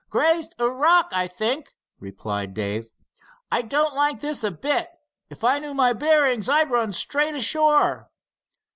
"Grazed a rock, I think," replied Dave. "I don't like this a bit. If I knew my bearings, I'd run straight ashore."